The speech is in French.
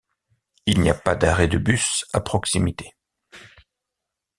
Il n'y a pas d'arrêt de bus à proximité.